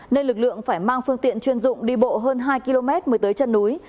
nên lực lượng phải mang phương tiện chuyên dụng đi bộ hơn hai km mới tới chân núi